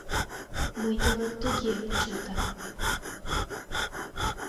Мый тылат туге почылтам...